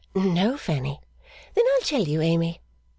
'No, Fanny.' 'Then I'll tell you, Amy.